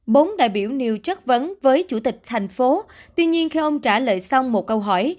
bốn đại biểu nêu chất vấn với chủ tịch thành phố tuy nhiên khi ông trả lời xong một câu hỏi